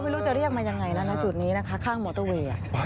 ไม่รู้จะเรียกมายังไงแล้วนะจุดนี้นะคะข้างมอเตอร์เวย์